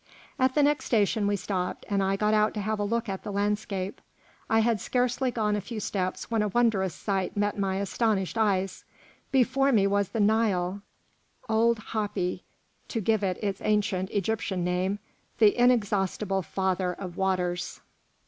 At the next station we stopped, and I got out to have a look at the landscape. I had scarcely gone a few steps when a wondrous sight met my astonished eyes: before me was the Nile, old Hapi, to give it its ancient Egyptian name, the inexhaustible Father of Waters.